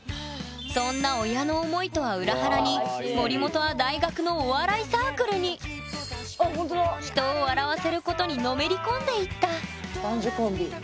そんな親の思いとは裏腹に森本は人を笑わせることにのめり込んでいった男女コンビ。